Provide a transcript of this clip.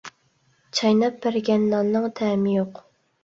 چايناپ بەرگەن ناننىڭ تەمى يوق.